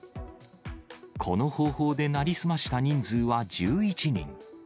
この方法で成り済ました人数は１１人。